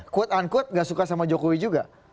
quote unquote gak suka sama jokowi juga